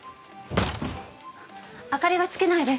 明かりはつけないで。